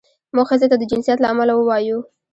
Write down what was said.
موږ ښځې ته د جنسیت له امله ووایو.